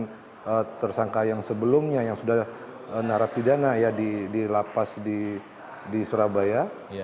dan tersangka yang sebelumnya yang sudah narapidana ya dilapas di surabaya